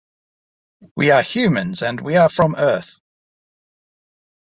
We are humans and we are from Earth.